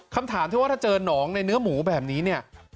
คำถามที่ว่าถ้าเจอหนองในเนื้อหมูแบบนี้เนี่ย